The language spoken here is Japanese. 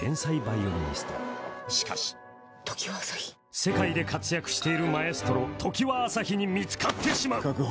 世界で活躍しているマエストロに見つかってしまう確保